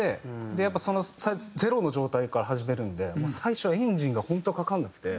でやっぱゼロの状態から始めるんで最初はエンジンが本当かからなくて。